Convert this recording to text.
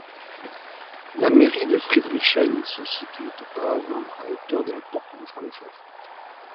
La mairie de Friedrichshain se situait auparavant à hauteur de la Porte de Francfort.